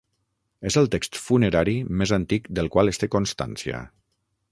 És el text funerari més antic del qual es té constància.